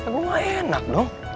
gue mah enak dong